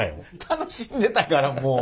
楽しんでたからもう。